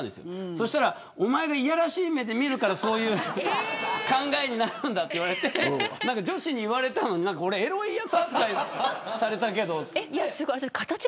そうしたら、おまえがいやらしい目で見るからそういう考えになるんだと言われて女子に言われたのにエロいやつ扱いされたけど。